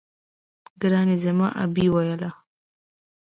ګراني زما ابۍ ويله